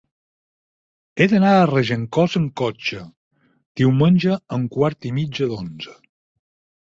He d'anar a Regencós amb cotxe diumenge a un quart i mig d'onze.